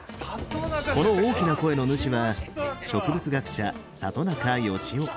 この大きな声の主は植物学者里中芳生。